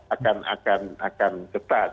akan akan akan tetap